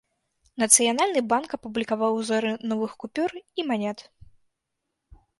Нацыянальны банк апублікаваў узоры новых купюр і манет.